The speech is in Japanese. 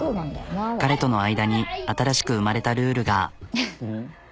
彼との間に新しく生まれたルールが。